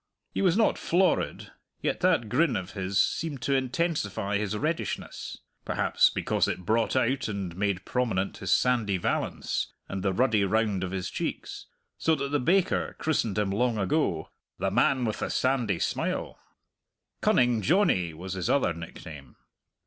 He was not florid, yet that grin of his seemed to intensify his reddishness (perhaps because it brought out and made prominent his sandy valance and the ruddy round of his cheeks), so that the baker christened him long ago "the man with the sandy smile." "Cunning Johnny" was his other nickname.